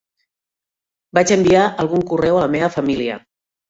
Vaig a enviar algun correu a la meva família.